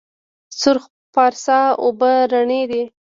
سرخ پارسا اوبه رڼې دي؟